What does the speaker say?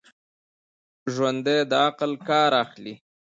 ژوندي د عقل کار اخلي